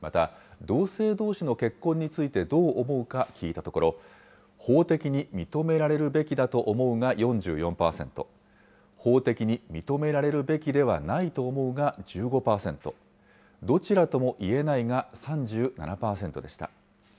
また、同性どうしの結婚についてどう思うか聞いたところ、法的に認められるべきだと思うが４４％、法的に認められるべきではないと思うが１５％、どちらともいえないが３７％でした。